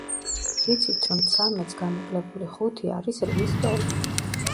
ვიცით, რომ ცამეტს გამოკლებული ხუთი არის რვის ტოლი.